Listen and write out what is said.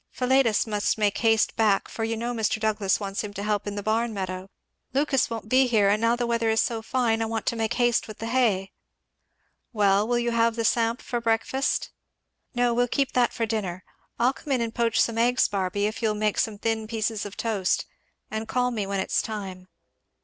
Philetus must make haste back, for you know Mr. Douglass wants him to help in the barn meadow. Lucas won't be here and now the weather is so fine I want to make haste with the hay." "Well, will you have the samp for breakfast?" "No we'll keep that for dinner. I'll come in and poach some eggs, Barby, if you'll make me some thin pieces of toast and call me when it's time.